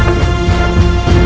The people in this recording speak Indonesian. baik ayah anda